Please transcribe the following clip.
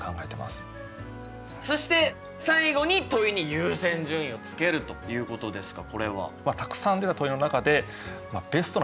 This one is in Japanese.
そして最後に「問いに優先順位をつける」ということですがこれは？